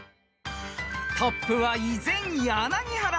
［トップは依然柳原ペア］